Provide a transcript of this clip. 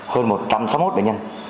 hơn một trăm sáu mươi một bệnh nhân